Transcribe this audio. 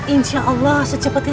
insya allah secepetnya main ke situ